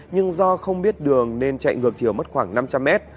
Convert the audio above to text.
nhưng do không biết đường nên chạy ngược chiều mất khoảng năm trăm linh mét